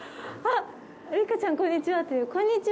「六花ちゃん、こんにちは」